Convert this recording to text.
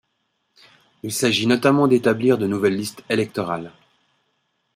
Il s'agit notamment d'établir de nouvelles listes électorales.